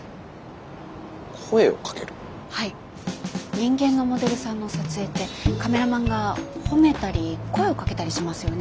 人間のモデルさんの撮影ってカメラマンが褒めたり声をかけたりしますよね。